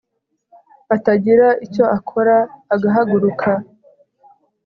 atagira icyo akora agahaguruka